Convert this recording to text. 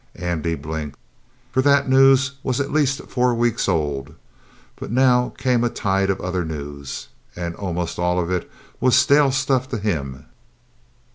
Andy blinked, for that news was at least four weeks old. But now came a tide of other news, and almost all of it was stale stuff to him.